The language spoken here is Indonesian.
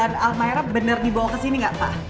yang di jalan almayra bener dibawa kesini gak pak